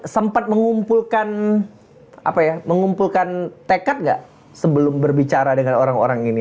sempat mengumpulkan tekad gak sebelum berbicara dengan orang orang ini